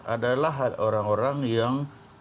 adalah orang orang yang